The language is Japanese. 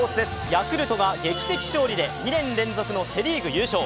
ヤクルトが劇的勝利で２年連続のセ・リーグ優勝。